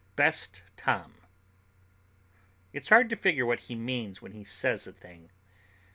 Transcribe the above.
Best, Tom." It's hard to figure what he means when he says a thing.